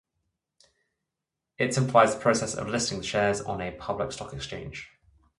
It simplifies the process of listing the shares on a public stock exchange.